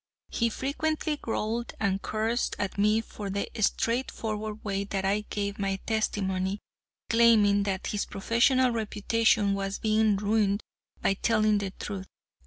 He frequently growled and cursed at me for the straightforward way that I gave my testimony, claiming that his professional reputation was being ruined by my telling the truth.